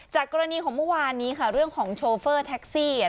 กรณีของเมื่อวานนี้ค่ะเรื่องของโชเฟอร์แท็กซี่